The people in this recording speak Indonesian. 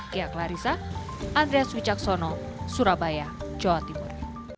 kiyak larissa andreas wijaksono surabaya jawa timur